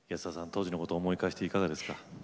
当時のことを思い返していかがですか？